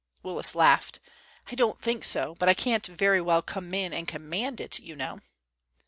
Willis laughed. "I don't think so. But I can't very well come in and command it, you know."